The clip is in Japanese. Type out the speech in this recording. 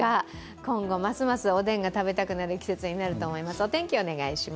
今後ますます、おでんが食べたくなる季節になると思います。